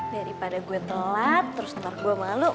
daripada gue telat terus ntar gue malu